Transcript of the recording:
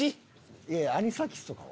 いやいやアニサキスとかは？